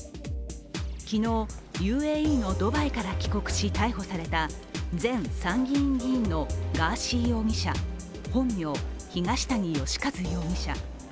昨日、ＵＡＥのドバイから帰国し逮捕された前参議院議員のガーシー容疑者本名・東谷義和容疑者。